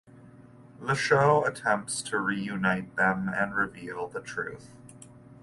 The show attempts to reunite them and reveal the truth.